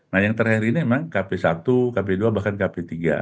nah yang terakhir ini memang kp satu kp dua bahkan kp tiga